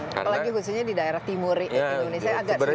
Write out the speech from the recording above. apalagi khususnya di daerah timur indonesia